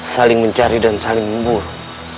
saling mencari dan saling memburuk